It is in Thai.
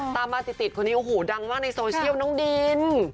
ตามมาติดคนนี้โอ้โหดังมากในโซเชียลน้องดิน